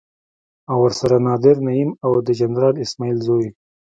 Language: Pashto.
او ورسره نادر نعيم او د جنرال اسماعيل زوی.